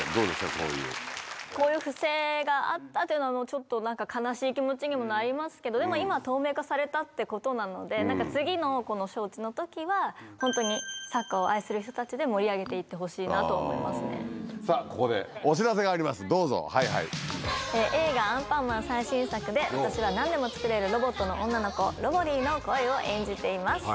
こうこういう不正があったっていうのは、ちょっとなんか、悲しい気持ちにもなりますけれども、でも今は透明化されたっていうことなので、なんか、次のこの招致のときは、本当にサッカーを愛する人たちで盛り上げていってほしさあ、ここでお知らせがあり映画アンパンマン最新作で、私はなんでも作れるロボットの女の子、ロボリィの声を演じています。